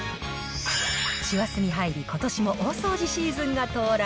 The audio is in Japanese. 師走に入り、ことしも大掃除シーズンが到来。